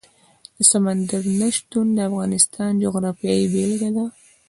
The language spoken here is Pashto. سمندر نه شتون د افغانستان د جغرافیې بېلګه ده.